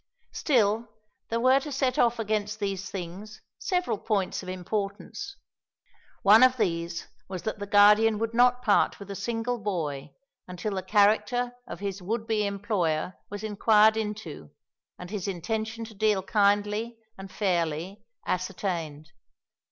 Still there were to set off against these things several points of importance. One of these was that the Guardian would not part with a single boy until the character of his would be employer was inquired into, and his intention to deal kindly and fairly ascertained.